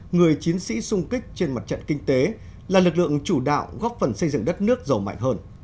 người chiến sĩ sung kích trên mặt trận kinh tế là lực lượng chủ đạo góp phần xây dựng đất nước giàu mạnh hơn